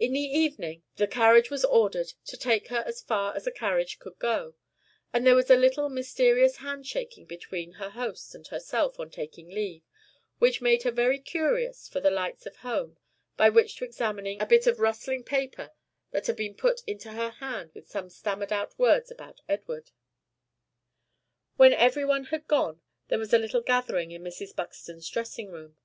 In the evening, the carriage was ordered to take her as far as a carriage could go; and there was a little mysterious handshaking between her host and herself on taking leave, which made her very curious for the lights of home by which to examine a bit of rustling paper that had been put in her hand with some stammered out words about Edward. When every one had gone, there was a little gathering in Mrs. Buxton's dressing room.